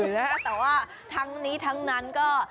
แต่ว่าทั้งนี้ทั้งนั้นก็